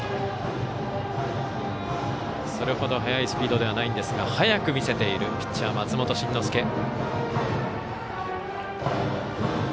それほど速いスピードではないんですが速く見せているピッチャー、松本慎之介。